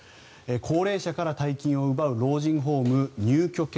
高齢者から大金を奪う老人ホーム入居権